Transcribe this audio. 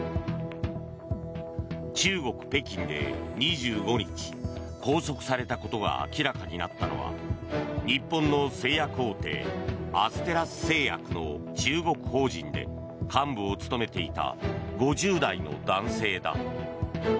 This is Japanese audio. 中国・北京で２５日拘束されたことが明らかになったのは日本の製薬大手アステラス製薬の中国法人で幹部を務めていた５０代の男性だ。